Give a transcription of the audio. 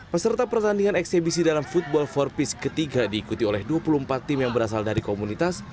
peserta pertandingan eksebisi dalam football for peace ketiga diikuti oleh dua puluh empat tim yang berasal dari komunitas